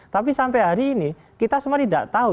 tapi sampai hari ini kita semua tidak tahu